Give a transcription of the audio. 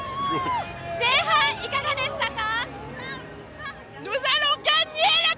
前半、いかがでしたか？